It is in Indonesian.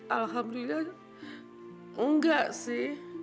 alhamdulillah enggak sih